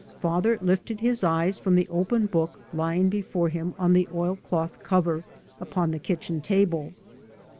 Father lifted his eyes from the open book lying before him on the oil cloth cover upon the kitchen table.